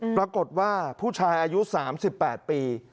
ปรากฏว่าผู้ชายอายุ๓๘ปี